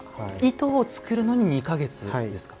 糸を作るのに２か月ですか。